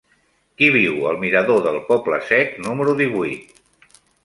Qui viu al mirador del Poble Sec número divuit?